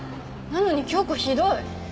なのに京子ひどい。